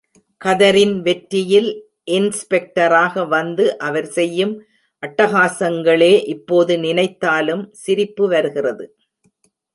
கதரின் வெற்றியில் இன்ஸ் பெக்டராக வந்து அவர் செய்யும் அட்டகாசங்களே இப்போது நினைத்தாலும் சிரிப்பு வருகிறது.